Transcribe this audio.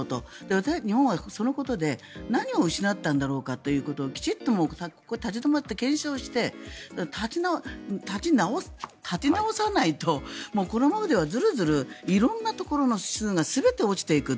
私たち日本は、そのことで何を失ったんだろうということをきちんと立ち止まって検証して立て直さないとこのままではずるずる、色んなところの指数が全て落ちていく。